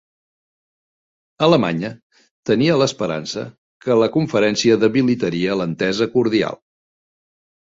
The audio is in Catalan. Alemanya tenia l'esperança que la Conferència debilitaria l'entesa cordial.